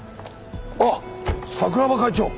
あっ桜庭会長。